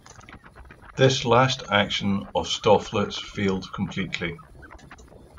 This last action of Stofflet's failed completely.